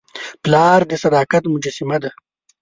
پلار د صداقت مجسمه ده.